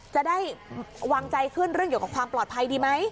จะได้วางใจขึ้นเรื่องเกี่ยวกับความปลอดภัยดีไหม